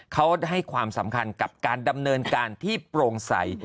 เขาให้ความสำคัญกับการดำเนินการที่โปร่งใส